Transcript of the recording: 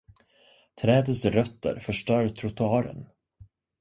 Trädets rötter förstör trottoaren.